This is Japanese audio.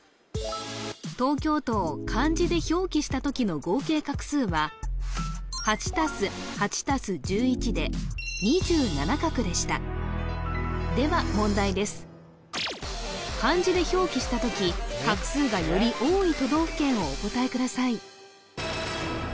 東京都を漢字で表記した時の合計画数は８＋８＋１１で２７画でしたでは問題です漢字で表記した時画数がより多い都道府県をお答えください